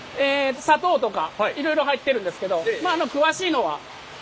砂糖とかいろいろ入ってるんですけどまああの詳しいのはあら。